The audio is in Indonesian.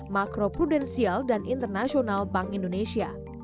makro prudensial dan internasional bank indonesia